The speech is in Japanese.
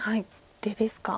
出ですか。